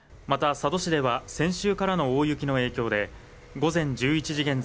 佐渡市では先週からの大雪の影響で午前１１時現在